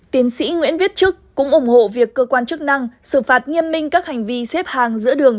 tiến sĩ nguyễn viết chức cũng ủng hộ việc cơ quan chức năng xử phạt nghiêm minh các hành vi xếp hàng giữa đường